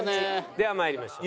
ではまいりましょう。